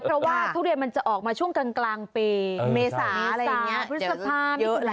เพราะว่าทุเรียนมันจะออกมาช่วงกลางปีเมษาพฤษภา